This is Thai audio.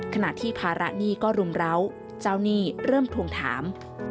ขณะที่ภาระหนี้ก็รุมร้าวเจ้าหนี้เริ่มทวงถาม